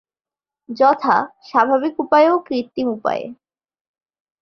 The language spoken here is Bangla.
যথাঃ স্বাভাবিক উপায়ে ও কৃত্রিম উপায়ে।